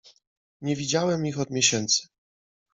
"Nie widziałem ich od miesięcy."